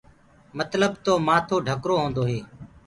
متلب تو مآٿو ڍڪرو هوندو هي۔